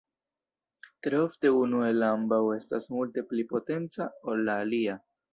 Tre ofte unu el ambaŭ estas multe pli potenca, ol la alia.